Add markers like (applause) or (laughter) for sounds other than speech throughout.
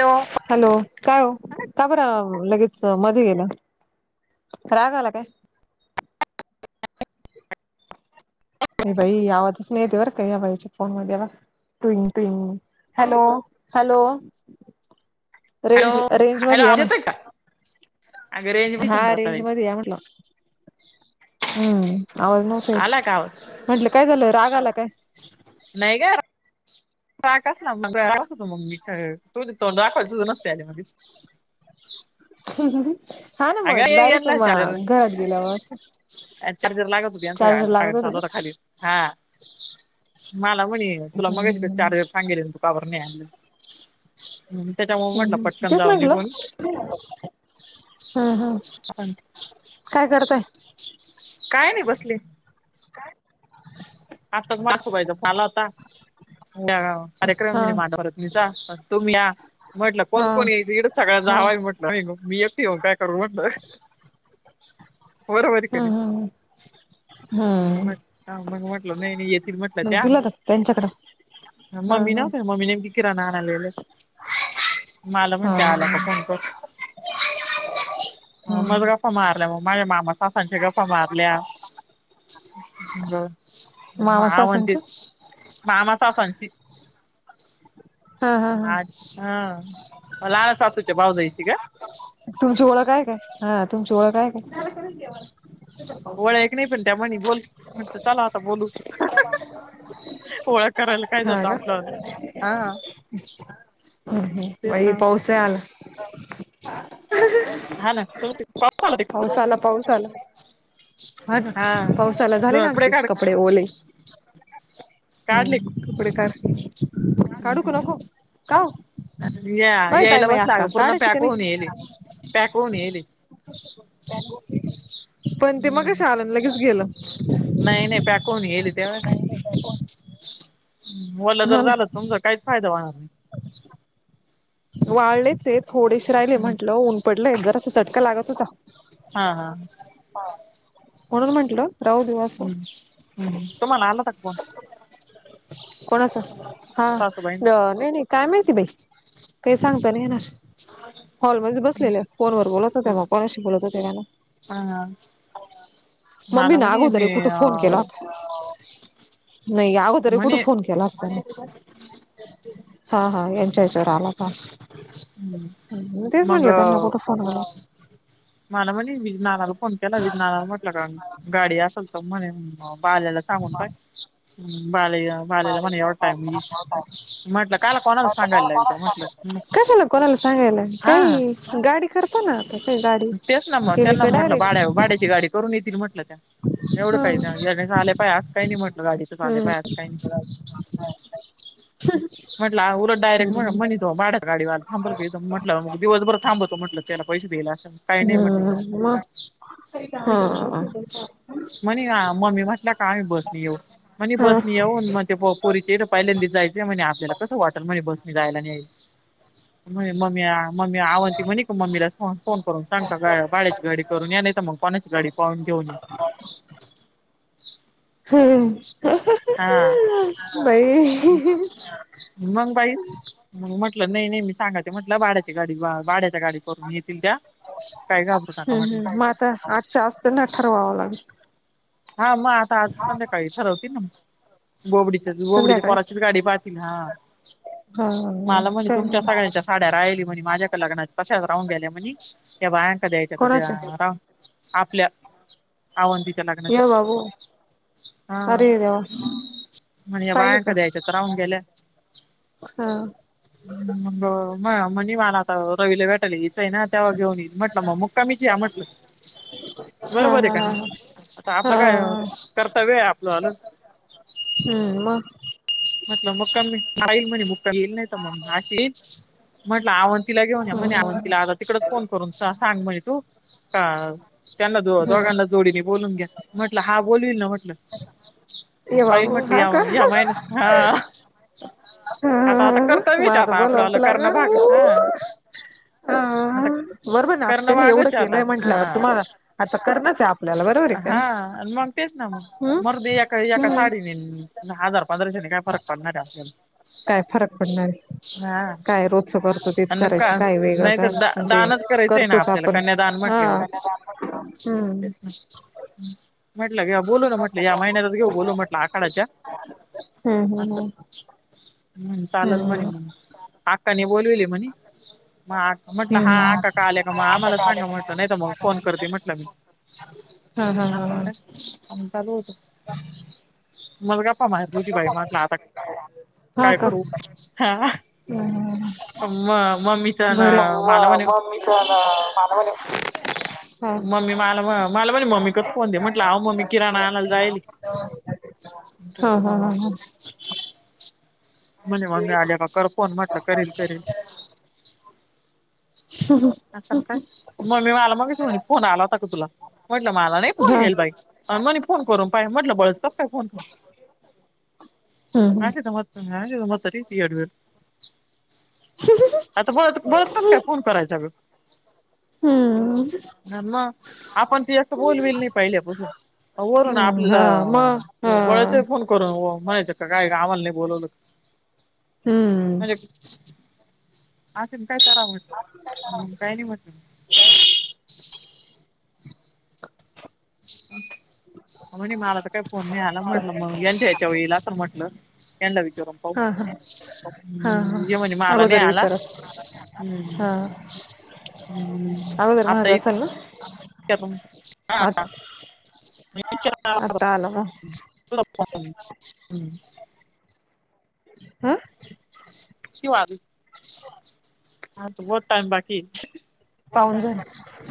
Hello hello, काय ओ का बरं लगेच मध्ये गेलं राग आला काय? ये बाई आवाजच नाही येत या बाईच्या फोन मध्ये बा टुंग, टुंग hello, hello hello range, range hello मध्ये या आवाज ना. येतोय का? अगं रेंज हा चंद्राताई रेंज मध्ये यां म्हटलं. हम्म आवाज नव्हता आला येत का आवाज? म्हटलं काय झालं राग आला काय? नाही गं (inaudible) (unintelligible) (unintelligible) हा ना म अगं ये डायरेक्ट यांना चार्जर घरात दिला बा चार्जर लागत होती यांचा चार्जर कागद लागत चालू होता का? खाली, हा मला म्हणे तुला मगाशी कसा हम्म चार्जर सांगले तु का बरं नाही आलं.. हम्म त्याच्यामुळ म्हटलं पटकन तेच जाऊ म्हटलं निघून हम्म हम् सांग काय करताय. काय नाही बसलेय काय? आत्ताच मासू बाईचा पाला होता मला मग कार्यक्रम हा म्हणजे मांडव वरातीचा तुम्ही या, म्हटलं कोण- हा कोण येतील सगळं हा जावई म्हट नाही गं मी एकटी येऊन काय करू म्हटलं. बरोबर हम्म कधी हम्म हम्म मग-मग नाही, नाही येतील म्हटलं मग त्या दिला होता त्यांच्याकडं हा मम्मी हा. नव्हत्या मम्मी नेमकी किराणाना आणायला गेले मला म्हणते आला हा. की काय कोण. मग हम्म गप्पा मारल्या मग माझ्या मामा सासांच्या गप्पा मारल्या म मामा हा सासांच्या म्हणतीस मामाचा असांशी हा हा हा (inaudible) तुमची ओळख काय? हा तुमची ओळख काय? ओळख नाही पण त्या म्हणी बोल म्हटलं चला आता बोलू (unintelligible) ओळख करायला काय जातं आपलं हा (unintelligible) तेच ना (inaudible) हा ना पाऊस आला तिकडं पाऊस आला, पाऊस आला! हा ना, पाऊस आला झाले ना हा पुढे आमचे काढ कपडे ओले. काढले हम्, कपडे काढं की काढू का नको का ओ? या, माहित आहे यायला माय बसला अक्का पूर्ण काढायची का पॅक होऊन नाही येईली पॅक होऊन येईली. पण ते मगाशी आलं न लगेच गेलं. नाही नाही पॅकहुन गेली तेव्हा वलं हा जर झालं ना समजा काहीच फायदा होणार नाही. वाळलेच ते थोडेच राहिले नाही म्हंटलं ऊन पडलंय जरास चटका लागत होता. हा हा म्हणून म्हटलं. हम्म हम्म. तुम्हाला आलं का फोन. कोणाच हा सासूबाईंचा नाही नाही काय माहिती बाई. काही सांगता नाही येणार. हॉलमध्ये बसलेल फोनवर बोलत होते मग कोणाशी बोलत होते त्याला हाआ. मम्मीने आगोदर रे कुठे फोन अ केला होता. नाही अगोदर कुठे म्हणे फोन केला असतानी. हा हा यांच्या ह्याच्यावर आला. होता ह तेच मग. म्हटलं त्यांना कुठं फोन आला मला म्हणे मी नानाला फोन केला मी नाना म्हटलं काय गाडी असल तर म्हणे अअ बाल्याला सांगून टाक बाल्या ये बाल्याला म्हणे एवढा टाईम होईल म्हटल कोणाला म्हटलं कशाला कोणाला सांगायला हा काही गाडी करतो ना आता काही गाडी तेच ना मग केली त्यांना का म्हटलं भाड्या डायरेक्ट भाड्याची गाडी करून येतील म्हटलं त्या. हा हम्म (unintelligible) म्हटल हा उलट डारेक्ट म्हण हम्म म्हणे भाड्यात गाडीवाला थांब म्हटलं मग दिवसभर थांबवतो म्हटलं त्याला पैसे देईल अशा न हम्म म तेच ना हा. म्हणे मी म्हटल काय बसनी येऊ म्हणे हा बसनी येऊ ते पोरीचे पहिल्यांदी जायचय म्हण आपल्याला कस वाटल म्हणे जायला नाही म म्या मम्मी आवरते म्हणे मम्मीला फोन करून सांग का भाड्याची गाडी करून या नाही तर मग कोणाची गाडी पाहून घेऊन (unintelligible) हा ह बाई मग बाई मग म्हटलं नाही नाही मी सांगायच म्हटलं भाड्याची गाडी भाड्याची गाडीत करून येतील त्या काय घाबरून नका म्हटल. म आता आत जास्त नाही ठरवावं लागेल हा मग आता आज संध्याकाळी ठरवती ना गोबडी गोबडीच्या संध्याकाळी पोराचीच गाडी पाहील हा हा हा मला म्हणे काय तुमच्या नाही सगळ्यांच्या साड्या राहिली म्हणे माझ्या लग्नात तशाच राहून गेल्या म्हणे या बायांकडे कोणाच्या द्यायच्या राहून आपल्या आळंदीच्या मॅडम. ये बाबू हा अरे देवा म्हणे या बायांन का द्यायच्या राहून गेल्या. हा. अस हा म्हणे मला आता रवीला भेटाले येतय ना. तेवा घेऊन येईल म्हटलं मग मुक्कामीची या म्हटलं हा बरोबर आहे हा का हा हा नाही. आपलं काय अ हा कर्तव्य आहे आपलं नं हम्म म म्हटलं मुक्कामी राहीन म्हणे मुक्कामी येईल नाहीत मग अशीच म्हटलं आव तिला घेऊन या म्हणे हम्म हम्म आवंतीला आता तिकडच फोन करून सांग म्हणजे तू का त्यांना हम्म दोघांना जोडीने बोलून घ्या, म्हटलं हा बोलवील ना म्हटलं. ये पाहिन बाबू म्हटल या ह्या माहिन्यात हांआं हंहंहं म कर्तव्यच आता आपलं बोलावच आलं करणं लागल भाग हा उउउउ हंअअअ आता हंहंहं बरोबर ना करणं त्यांनी एवढं भागच आता केलंय म्हंटल्यावर, हा तुम्हाला आता करणच आहे आपल्याला बरोबर आहे का नाही. हा मग तेच ना मग, हम्म मरूदे एका एका हम्म साडीनींनेईन हजार त्याने काय फरक पडणार आहे आपल्याला. काय फरक पडणार आहे. हा काय रोजच करतो तेच आणि का करायचं, काय वेगळं नाही का तर दा म्हणजे दानच करायचंय करतोच आपण हां (unintelligible) हमम तेच ना. म्हटलं घेऊ, बोलू ना म्हटलं, या महिन्यातच घेऊ बोलून म्हटलं आखडाच्या (unintelligible) हम्म हम्म हम्म चालेल म्हणे, अक्काने बोलिवले म्हणे मग आ हम्म हम्म म्हटलं हा, हम्म आक्का का आल्या का, मग आम्हाला सांगा म्हटलं, नाही तर मग फोन करते म्हटलं हं हं हं हं (unintelligible) चालू होत (unintelligible) मुलगा मला माहीत होती बाई म्हंटल, आता हा काय का करू हंं. (unintelligible) मं मम्मी बरंय, मं मम्मी पण मानवलंय मम्मी मला, मला म्हणे, मम्मीकडच फोन दे म्हटलं, अहो मम्मी किराणा आणायला जाईल (unintelligible) (inaudible) (unintelligible) हा का हा हा हा (unintelligible) म्हणे मंग आल्यान कर फोन म्हटलं, करेल करेल (unintelligible) असं काय (inaudible) मम्मी माला मग म्हणीत होती, फोन आला होता का तुला? म्हटलं मला नाही फोन हा येईल बाई, अन म्हनी फोन करून पाय म्हटलं, बळच कसा काय फोन (unintelligible) (inaudible) (unintelligible) हम्म असे जमत, (unintelligible) आता बळच, बळच कसं काय फोन करायचा गं हम्म! हा मंग, आपण ती असं बोलवेल नाही पहिल्यापासून वरून हम्म आपल्याला हा मग हा आ बळच हे फोन करून अं म्हणायचं का काय, आम्हाला नाही बोलवलंत? हम्म! (unintelligible) असेल काय करावं, काय नाही म्हंटलं. (unintelligible) (inaudible) (unintelligible) म्हणे मला तर काही फोन नाही आला, म्हटलं मग यांच्या हेच्या वर येईल असल म्हटलं. त्यांनला विचारुन हां हां. हां हां, म्हणे मला नाही आगोदर आला विचारा, हम्म हां. आगोदर म्हणतं असलं ना? (unintelligible) हां आ हां म आता आला मग (unintelligible) झोप म्हण (unintelligible) अ? कीव (unintelligible) अबि बहोत टाईम बाकी है. पाहून झालं,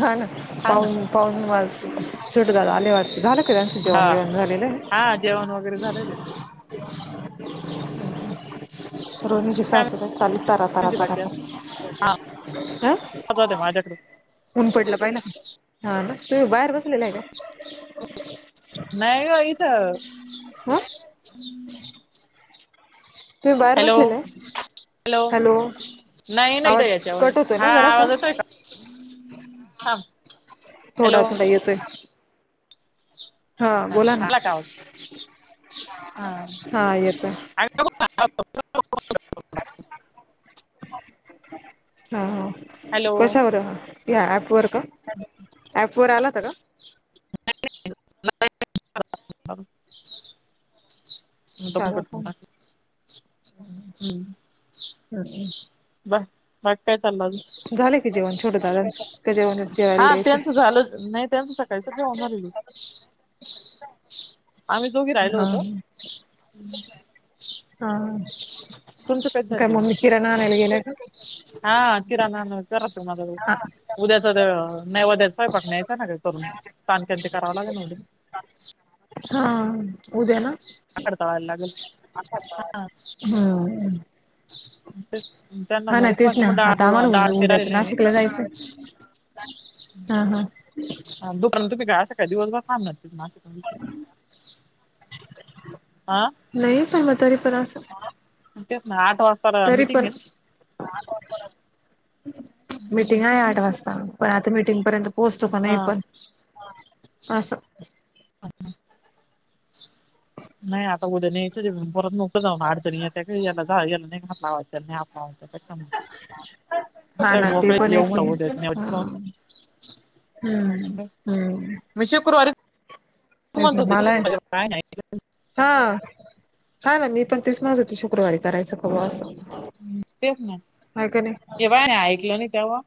हां नां. हा ना पाऊन पाऊन नऊ वाजले, छोटे दादा आले वाटत, झालं कां त्यांचं जेवण बेवण झालेलंये? जेवणं वगैरे झालंय त्याचं. (unintelligible) (inaudible) रोनीची तू काय सासू कशी, चांली तरा, तरा, म्हणते तरा बाकी आज (unintelligible) दे माझ्याकडे ऊन पडलं पाहिल, हां नां, तुम बाहेर बसलेलं आहे काय? नाही ग इथ. ह (unintelligible) तुम्ही बाहेर बसलेला आहे? हॅलो! नाही नाही (unintelligible) आवाज याच्यावर कट होतोय ना हा जरासा आवाज येतोय का? (unintelligible) थांब थोडा हॅलो थोडा येतोय हा बोला ना आला का आवाज? हां (unintelligible) हम्म. हॅलो कशावर या ऍपवर का ऍप वर आला होता कां? (unintelligible) साधा फोन (unintelligible) बाकी कायं चाललं आजून झालं की जेवण छोटं दादांच का जेवण जेवायला हां त्यांचं द्यायचं झालंच नाही त्यांचं त्यायचं जे होणारं आहे ग. (inaudible) आम्हीं दोघीं रायलों हा होतों. कधी हां झालं काय जेवण ममी किराणां आणायला गेल्या कां? हा किराणां आणांया (unintelligible) उद्याच दे नैवेदयाच स्वयपाक न्यायचा ना ग करून चागक्या ते करावं लागे न उद्या. हां उद्या ना. भाकर तळायला लागेल हा हम्म. तेच त्यांना हां मग नां तेच तेचं म्हटलं नां मग डाळ आता आम्हाला डाळ उ ते उद्या त राहिले नाशिक कला जायचं हां हां. हा दुकानं तुम्ही कां अस का दिवसभर थांबणार कां नाशिक (unintelligible) आं. नाहीं सहमतानी पर पण असं. तेचं नां आठ वाज तरी पण मीटिंग आहे आठ वाजतां. पणं आता मीटिंग पर्यंत पोहोचतो कीं नाहीं हा आपणं असं नाही आता उद्या न्यायंचच परत नोकं आता जाऊ ना अडचणी येत्या काही याला जा येतं नाही हातांवर त्यांनी अमाउ.. (unintelligible) हा चळ ना ते मोकळी पण एक येवून आहे राहू देत नाही हो स्ट्राँग. हम्म हम्म. म शुक्रवारी? तेस मला यांचं. बाय नाही हां हान मी पण तेच म्हणत होती शुक्रवारी करायचं कां बां असं? तेचं नां हाय का नाही केव्हाय नां ऐकलं नाहीं तेव्हां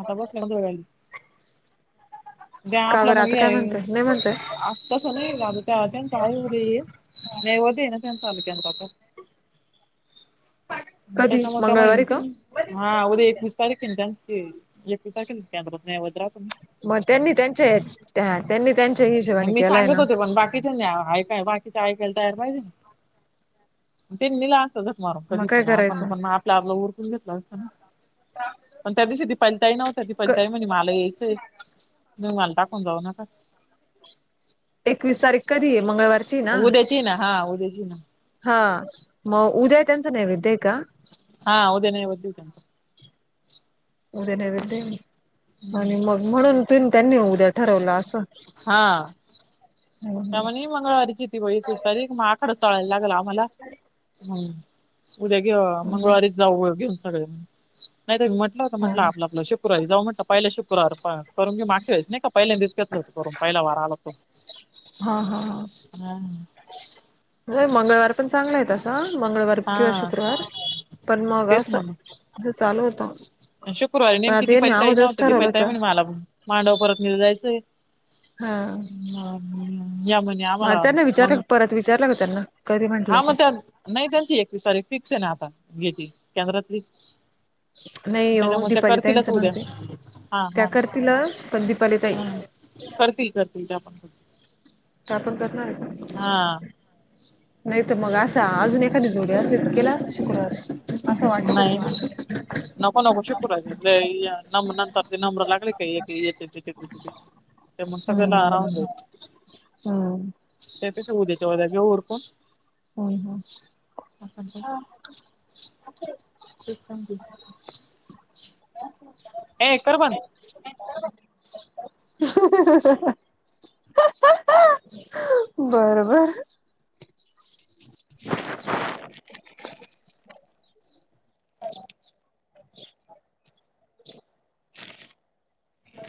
आता बसले ना (unintelligible) ते का आपलं बरं मुलगी आता काय आहे. म्हणताय नाही म्हणताय तसं नाही दादू त्या त्याचं आहे उद्या ये नैवद्य न त्यान चालू केला तो. कधी त्याच्यामुळे त्यामुळे मंगळवारी का हा उद्या एकविस तारीख आहे त्यांची एकवीस तारखेला केंद्रात नैवेद्य राहतो. ना. मग त्यांनी त्यांच्या हां त्यांनी त्यांच्या हिशेबाने केलाय ना. तिथ नी ऐकायला बाकीच्या ऐकायला तयार पाहिजे त्यांनी नेला. धक मारून कधी मग काय पण आपण करायचं पण आपल आपल उरकून घेतलं असतं ना. पण त्या दिवशी दिपाली ताई नव्हत्या, दिपाली क ताई म्हणे मला यायचंय. तुम्ही मला टाकून जाऊ नका. एकवीस तारीख कधी आहे मंगळवारची उद्याची ना हा उद्याची ना. हां मग उद्या त्यांचं नैवद्य आहे का? हां उद्या नैवेद्य आहे त्यांचा. उद्या नैवेद्य य आणि त्यांचा मग म्हणून तेन त्यांनी उद्या ठरवलं असं. हां. त्याम्हणे मंगळवारीची ती बाई दुपारी मग आखाड तळायला लागेल आम्हाला हम्म. उद्या घे मंगळवारी हा जाऊ घेऊन सगळं नाही म्हटलं होतं हा म्हटलं आपलं आपलं शु क्रवारी जाऊ म्हटल पहिला शुक्रवारी प करून घेऊ, मागच्या वेळेस नाही का पहिल्यांदीच घेतल होत करूण पहिला वार आला तो. हां हां हां नाई मंगळवार पण चांगला आहे तसं मंगळवार किंवा हा शुक्रवार पण मग तेच असं ना मग अस चालू होता, शुक्रवारी नेमकी दिपाली ताई नव्हती. ठरवलं दिपाली होत ताई म्हणे मला मांडव परतनीला जायचंय. हा या म्हणे म आम्हाला त्यांना मग विचारलं परत विचारलं का त्यांना, कधी म्हंटलं हा का? मग त्या नाही त्यांची एकवीस तारीख फिक्स आहे ना आता घ्यायची केंद्रातली. नाही हो त्याच्यामुळे त्या दीपाली करतीलच ताईंचं उद्या. म्हणते हा त्या हा करतीलच पण दीपाली ताई हा, करतील करतील ते आपण कर, त्या पण करणार आहे का? नाही तर मग असा अजून एखादी जोडी असली तर केला असत शुक्रवारी, असं वाटत होत नाही मला, नको नको शुक्रवारी बरे आहे, नंतर ते नंबर लागले का एक एक एकाचे, एक एक एकाचे, ते म्ह सगळ राहून हम्म जाईल हम्म त्यापेक्षा उद्याच्या उद्या घेऊ उरकून. हम्म (unintelligible) (inaudible) (unintelligible) ए कर बंद, (unintelligible) बर बर (unintelligible) (inaudible)